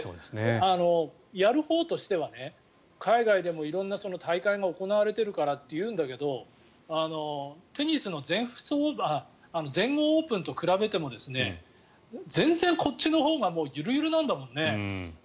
やるほうとしては海外でも色んな大会が行われているからと言うんだけどテニスの全豪オープンと比べても全然こっちのほうが緩々なんだもんね。